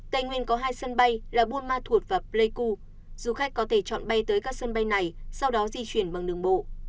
tây nguyên có hai sân bay là buôn ma thuột và pleiku du khách có thể chọn bay tới các sân bay này sau đó di chuyển bằng đường bộ